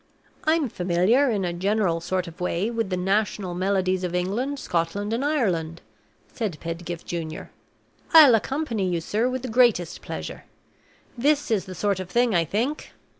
'" "I'm familiar, in a general sort of way, with the national melodies of England, Scotland, and Ireland," said Pedgift Junior. "I'll accompany you, sir, with the greatest pleasure. This is the sort of thing, I think."